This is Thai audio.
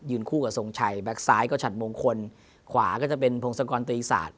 ยืนคู่กับส่งชัยแบ็คซ้ายก็ฉัดมงคลขวาก็จะเป็นพรงซิกรณ์ตะอิกษาด